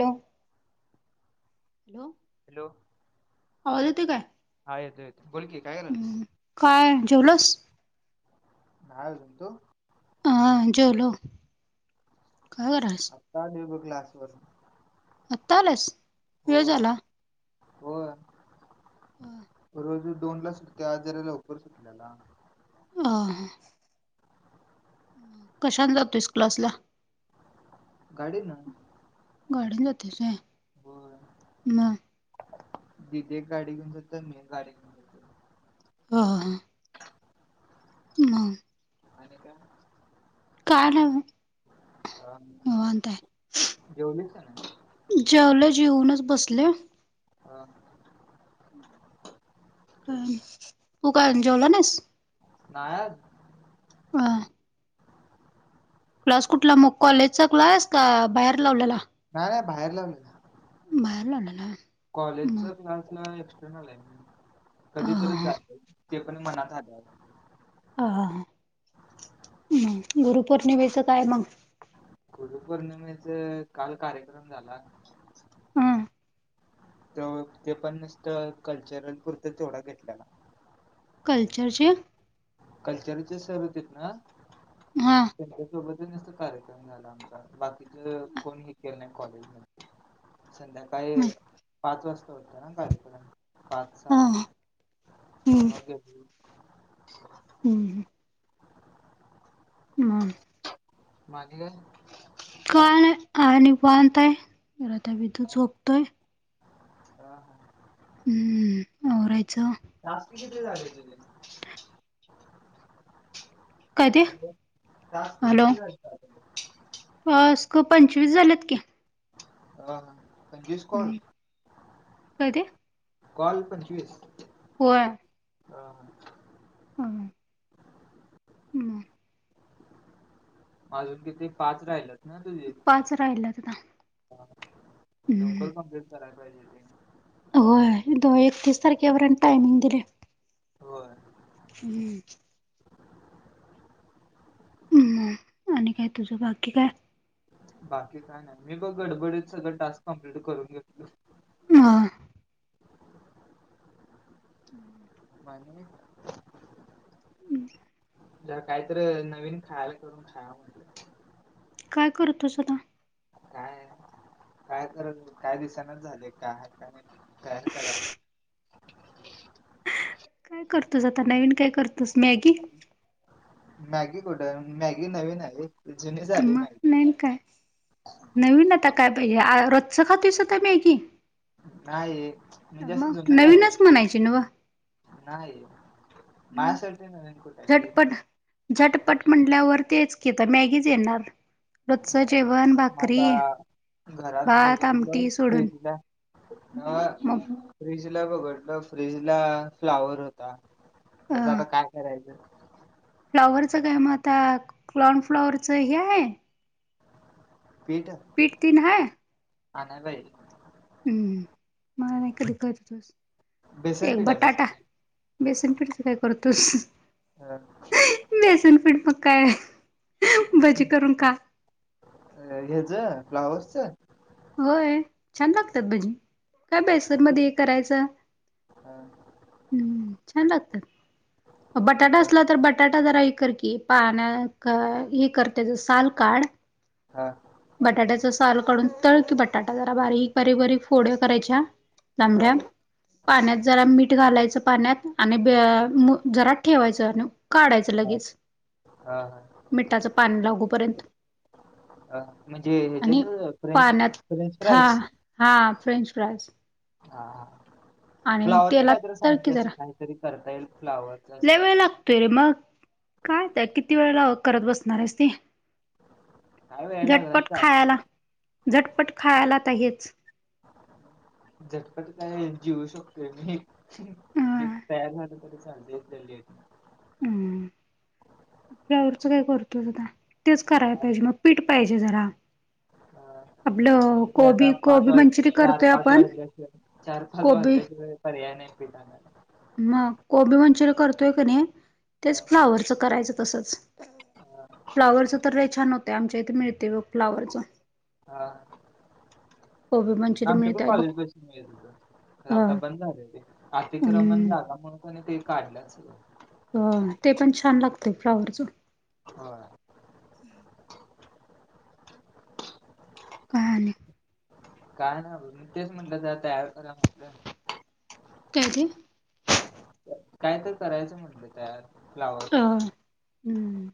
Hello! Hello! Hello! आवाज येतोयं काय? हा येतो - येतो बोलकी काय रं? हम्म काय जेवलासं? नाही अजुन तु? हा जेवलो, काय करलास? आता आलोय बग क्लासवरन. [inaudible] आता आलायसं वेळ होय. झाला. होय, बर. [inaudible] रोज दोनला सुट्ल्याला, आज जरा लवकर सुटल्याला. हा हा. कशाानं जातोयसं क्लासला? गाडीन. गाडीन जातोसं होय म दीदी एक गाडी घेऊन जाते, मी एक गाडी घेऊन. जातो हह. मग. आणि काय? काय नाही. हा ना, निवांत जेवलीसं काय नाही? जेवलोय, जेऊनचं बसले. हा. का तू कायअजुन जेवला नाहीस? नायअजुन. होय. क्लास कुठला, कॉलेजचा क्लास का बाहेर लावलेला. नाही - नाही बाहेर लावलेला. बाहेर लावलेला. मग कॉलेजचा् क्लास. एक्स्टरर्नल आहे कधीतरी ह जातं ते पण मनात आलं तर, हा हम् गुरुपौर्णिमेचं काय मग? गुरुपोर्णिमेचा काल कार्यक्रम झाला. हम, तर ते पण नुसतं कल्चरल पुरत तेवढा घेतलेला. कलचरचे? कल्चरचे सर होतेत ना? हा. त्यांच्यासोबतच कार्यक्रम झाला आमचा बाकीच कोण हे नाही कॉलेजला. संध्याकाळी पाच वाजता होत ना कार्यक्रम. पाच, हा सहा ला [unintelligible] हम्म, हम्म. ह. मागे. काय नाही आता निवांत हाय आता मी हित झोपतोय. ह हा. हम्म आवरायचं. टास्क किती झाले तुझे? काय ते टास्क किती झाले? आसक पंचवीस झाल्यात की. पंचवीस कॉल? हम्म काय ते? कॉल पंचवीस? होय. हा, हा. ह. हम्म. मग अजून किती पाच राहिल्यात ना तुझे? पाच राहिल्यात आता हम्म लवकर कंप्लीट करायला पाहिजे ते? होय एकतीस तारखेपर्यंत टायमिंग दिलंय. होय. हम्म. हम्म, आणि काय तुझं बाकी काय? बाकी काय नाही मी बघ गडबडीत सगळं टास्क कमप्लीट करून घेतलोय. हा. ह [inaudible] पाणि हम्म. ते कायतर नवीन खायला करून खाऊया म्हटलं. काय करतोस आता? काय, काय कर काय दिसांनाच झाले का आहे का नाही तयार करायला. काय करतोस आता नवीन काय करतोस मॅगी? मॅगी कुठ मॅगी नवीन आहे होय जुनी झाली मग मॅगी. नवीन काय नवीन आता काय पाहिजे रोजच खातोस आता मॅगी? नाही म्हणजे असं मग जुनं झालंय नवीनच म्हणायची नव? नाही माझ्यासाठी नवीन कुठ. झटपट, झटपट म्हंटल्यावर तेच की आता मॅगीच येणार. रोजचं जेवण मग भाकरी आता घरात भात बगितलो आमटी सोडून फ्रीजला ह मग फ्रीज ला बघडलं फ्रीज ला फ्लावर होत ता अ त्याचं आता काय करायचं फ्लॉवरचं काय म आता, काॕर्ण फ्लॉवरचं हे हाय पीठ पीठ तीन हाय आणाय पायजे हम्म, मग आणुन कधी करतूस, बेसन एक पीठ आहे बेसन बटाटा बेसन पिठचं काय करतूस हा बेसन पीठ मग काय भजी करून खा ह्यज फ्लावर्सचं होय,, छान लागत्यात भजी,, काय बेसन मध्ये हे करायचं हा हम्म, छान लागत्यात, मग बटाटा हा असला तर बटाटा जरा हि कर की पान्यात घाल, हि कर त्यजं साल काढ हा बटाट्याचा साल काढून तळकी बटाटा, जरा बारीक बारीक बारीक फोड्या करायच्या हा लामड्या पाण्यात जरा मीठ घालायचं पाण्यात, आणि जराात ठेवायचं आणि काढायचं हा लगीच, हा मिठाचं पाणी लागूपर्यंत अ म्हणजे हच्यासंग पान्यात हा हा फ्रेंच फ्राइज हा हा, फ्लावर च तेलात काहीतरी सांग तर ते की असं जरा काहीतरी करता येईल फ्लावर लय वेळ लागतोय रे मग,, काय आता किती वेळ ला करत बसणार आहेस ते काय वेळ लागला झटपट चालतंय खायाला,, झटपट खायाला आता हेच [inaudible] झटपट काय जीवू शकतोय मी अ जे तयार झालं तरी चालतय अम, फ्लावरच काय करतूस आता, तेच करायला काय पायजे मग पीठ पायजे जरा अं, आपलं ते आता कोबी पाच कोबी वाज मंचुरी चार करतोय पाच आपण वाजले असल, चार पाच कोबी वाजल्या शीवाय पर्याय नाही पीठाला आता मग कोबी मंचुरियन करतोय क नाही, हा तेच फ्लावरचं करायचं तसंच हा फ्लावरचं तर लय छान होतय, आमच्या इथं मिळतय बघ फ्लावरचं हा कोबी मंचुरियन आमच्या पण मिळतय बघ कॉलेजपशी मिळत हूतं,, खरं अ आता बंद झालं ते अतिक्रमण हम्म झाला म्हणून क नाही ते काढलंच होय, ते पण छान लागतय फ्लावरच होय [inaudible] काय आणी? काय नाही बघ,, मी तेच म्हटलं जरा तयार करूया म्हटलं काय ते काय तर करायचं म्हटलं त्यात, फ्लावर होय, हं,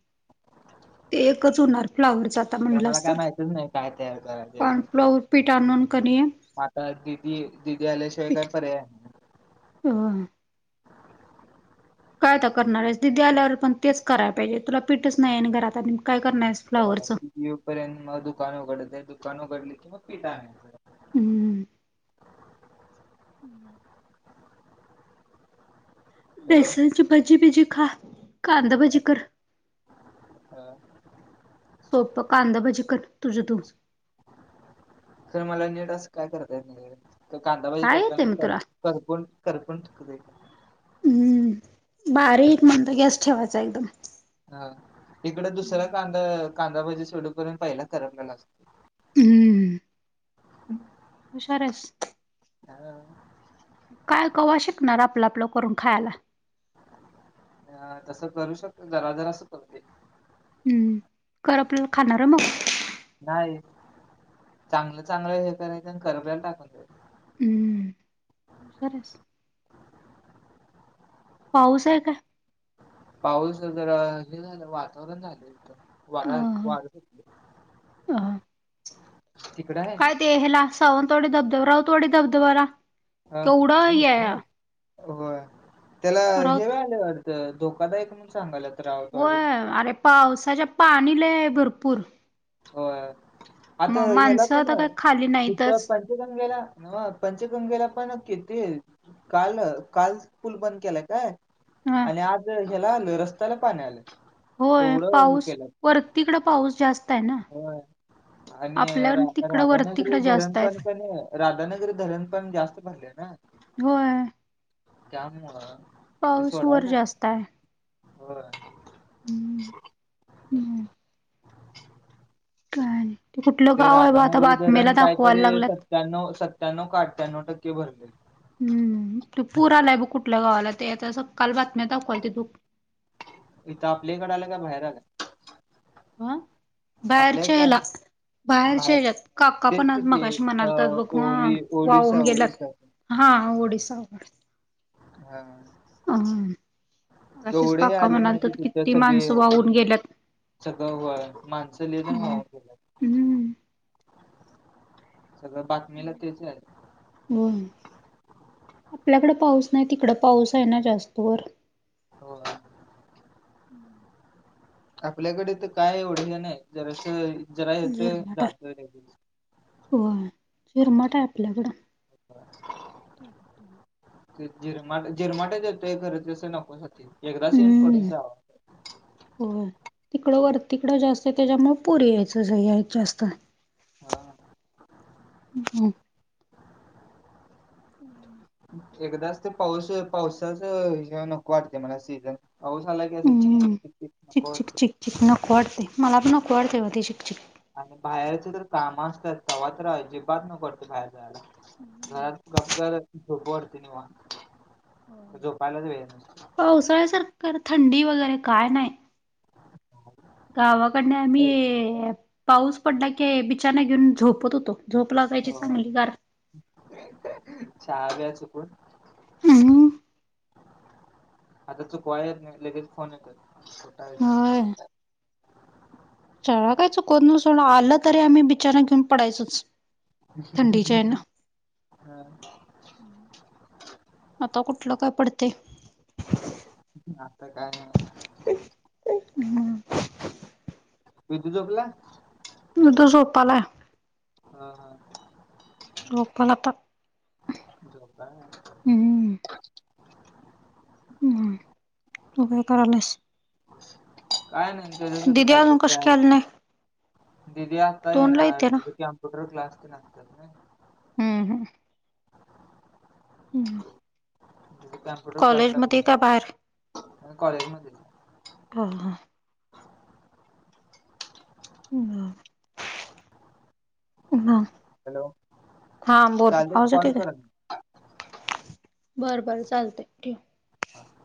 ते एकच हुणार फ्लावरचा तर मला काय माहितच नाही काय तयार करायचं -फ्लावर पीठ आणून कनी आता दिदी दिदी आल्याशिवाय काय पर्याय होय. काय आता करणार आहेस, दिदी आल्यावर पण तेच करायला पाहिजे तुला पीठच नाही घरात आणि मग काय करणार आहेस फ्लाँवरचं? येऊ पर्यंत म दुकान उघडते, दुकान उघडले की म पिठं आणायचं. हम् [unintelligible] हॅलो बेसनची भज्जी बिज्जी खा, कांद भज्जी करं हो सोपं कांदभज्जी कर तुझं तु पण मला निट असं काय करता येतं नाही गं कांदाभज्जी काय येते करताना मग तर तुला करपून करपून ठेवलंय. हम्म बारीक मंद गॅस ठेवायचा एकदम हा इकडं दुसरं कांद कांदाभज्जी सोडूपर्यंत पहिला करपलेल असतयं, हम्म्म [inaudible] हुशार आहेस. [inaudible] काय कवा शिकणार आपलं आपलं करून खायला. अ तसं करू शकतोय जरा जरास करतोय. हम् करपलेल खाणार होय मग नाही चांगलं चांगलं हे करायचं, आणि करपलेलं टाकून द्यायचं. हम्म [unintelligible] पाऊस आहे काय? पाऊस जरा हे झालं वातावरण झालंय इथं अ वारं आलं, वारं सुटलय अ काय ते हे ला सावंतवाडी धब धब राऊतवाडी धबधबाला हा केव्हढं हे हाय होय त्याला हे राऊत व्हालयं वाढतं धोकादायक म्हणून सांगाल्यात. होय आणि पावसाच्या पाणी लय हाय भरपूर होय आता म ह्याला माणसं पण आता काय खाली नाहीतच हिथं पण पंचगंगेला, पंचगंगेला पण किती काल काल पूल बंद केलाय काय? ह आणि आज ह्याला आलंय रस्त्याला पाण्यात आलंय होय एव्हढं हे पाऊस केल्यात वरतीकडं पाऊस जास्त आहे ना होय. आणि आपल्या आता तिकडं वर राधानगरी तिकडं धरण जास्त पण आहेत कनी राधानगरी धरण पण जास्त भरले. हं होय. त्यामुळं ते पाऊस वर सोडाल्यात जास्त आहे होय. हम्म हम्म. काय कुठलं ते गाव आहे बा आता राधानगरी बातमीला धरण दाखवायला काहीतरी लागल्यात सत्याण्णोव सत्त्याण्णोव काय आठ्ठ्याण्णोव टक्के भरलयं हम्म तो पूर आलाय ब कुठल्या गावाला ते आता सकाल बातम्या दाखवाल तिथं इथं आपल्या हिकडं आलाय काय बाहेर आलाय? अ बाहेरच्या ह्याला आलं बाहेरच्या बाहेर हेच्यात काका तेच पण आ किती मगाशी म्हणालत अं बघं ओरि वाहून ओडिसा गेल्यात ओडिसा हा ओडिसा. हं हं. अ आशीष काका आले माहिती म्हणालत तिथं किती सगळे माणसं वाहून गेल्यात. सगळं होय, माणसं लय जण वाहून गेल्यात. हम्म सगळं बातमीला तेच यालयं. हम्म, आपल्याकडं पाऊस नाही तिकडं पाऊस आहे ना जास्त वर. हो आपल्याकडे इथं काय एवढं हे नाय जरासं जरा येतोय झिरमट आहे जातोय लगेच. होय झिरमाट आहे आपल्याकडं. [inaudible] ते जिरमाट झिरमाटचं येतोय खरं तसं नको सा एकदाच येउन पडून जावाव. हो तिकडं वर तिकडं जास्त त्याच्यामुळे पूर यायचंच जास्त. हा. हम्म [inaudible] एकदाच ते पाऊस पावसाच हे नको वाटतंय मला सीझन. पाऊस आला की असं चीक चीक हम्म चीक चीक. चिक चिक चिक चिक नको वाटतंय. मला पण नको वाटतंय ते चिक चिक. आणि बाहेरच तर काम असत्यात तव्हा तर अजिबात नको वाटतंय बाहेर जायला. घरात गपगार झोपू वाटतंय निवांत झोपायलाच वेळ नाही. पावसाळ्यासारखं खरं थंडी वगैरे काय नाही. गावाकडनी आम्ही पाऊस पडला की बिछाना घेऊन झोपत होतो. झोप लागायची चांगली गार. शाळा घ्या चुकून. हम्म आता चूकवाय येत नाही लगेच फोन येतोय. होय. शाळा काय चुकवत नाही सोड आलं तरी आम्ही बिछाना घेऊन पडायचोच. थंडीच्या हेन हा आता कुठलं काय पडतंय. आता काय नाही. हम्म विदू झोपला? विदु झोपालाय. हा हा. झोपलं आता. झोपा हम्म हम्म, तू काय करालायस? काय नाही केलो तिथं दिदी कायतर अजून कशी तयार. काय आली नाही दिदी आता दोनला येणार येते ना. तीचे कम्प्युटर क्लास तेण असत्यात नाही. हम्म हम्म. हम्म. कम्प्युटर कॉलेजमध्ये का बाहेर? क्लासला‌ कॉलेजमध्येच आहे. हा हा. [inaudible] थांब. हॅलो बोल, चालतंय आवाज कॉल येतोय काय? कर बर बर चालतंय ठेव. ह [inaudible]